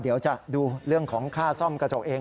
เดี๋ยวจะดูเรื่องของค่าซ่อมกระจกเอง